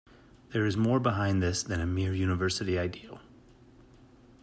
There is more behind this than a mere university ideal.